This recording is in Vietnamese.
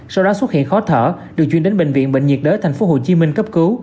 sau đó xuất hiện khó thở được chuyển đến bệnh viện bệnh nhiệt đới thành phố hồ chí minh cấp cứu